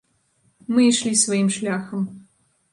Мы ішлі сваім шляхам.